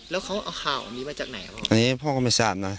แล้วเขาเอาข่าวอันนี้มาจากไหนพ่ออันนี้พ่อก็ไม่ทราบนะ